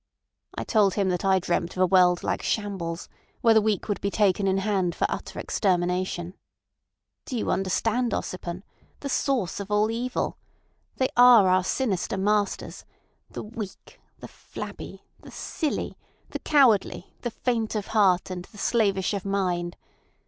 "I told him that I dreamt of a world like shambles, where the weak would be taken in hand for utter extermination." "Do you understand, Ossipon? The source of all evil! They are our sinister masters—the weak, the flabby, the silly, the cowardly, the faint of heart, and the slavish of mind.